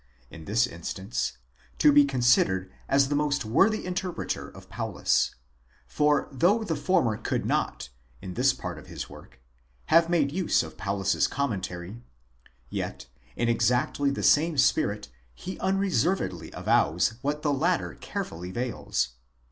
in this instance, to be considered as the most worthy interpreter of Paulus ; for though the former could not, in this part of his work, have made use of Paulus's Commentary, yet, in exactly the same spirit, he unreservedly avows what the latter carefully veils.